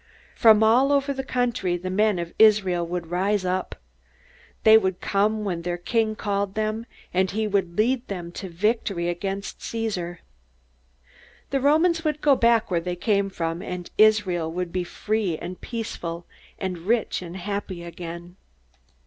From all over the country the men of Israel would rise up. They would come when their king called them, and he would lead them to victory against Caesar. The Romans would go back where they came from, and Israel would be free and peaceful and rich and happy again.